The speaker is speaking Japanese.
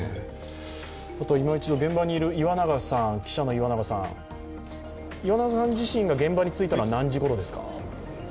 いま一度現場にいる記者の岩永さん岩永さん自身が現場に着いたのは、何時ですか？